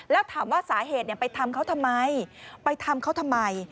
แล้วถามว่าสาเหตุไปทำเขาทำไม